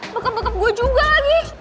bekap bekap gue juga lagi